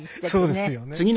そうですよね。